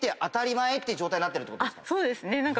そうですね。